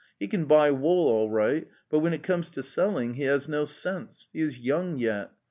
He can buy wool all right, but when it comes to selling, he has no sense; he is young yet.